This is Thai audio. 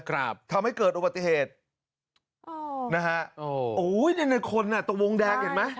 ครับทำให้เกิดอุบัติเหตุอ๋อนะฮะโอ้ยในในคนอ่ะตรงวงแดงเห็นไหม